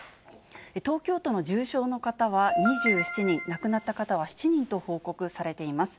東京都の重症の方は２７人、亡くなった方は７人と報告されています。